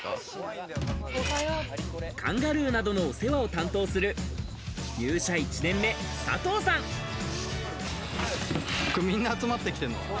カンガルーなどのお世話を担当する、みんな集まってきてる。